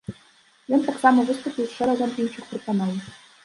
Ён таксама выступіў з шэрагам іншых прапаноў.